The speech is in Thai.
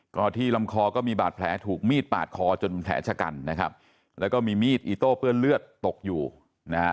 ก็ที่ลำคอก็มีบาดแผลถูกมีดปาดคอจนแผลชะกันนะครับแล้วก็มีมีดอิโต้เปื้อนเลือดตกอยู่นะฮะ